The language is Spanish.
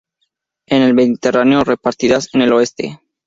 En el Mediterráneo, repartidas en el oeste.